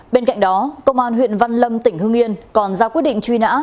bên cạnh đó công an huyện văn lâm tỉnh hương yên còn ra quyết định truy nã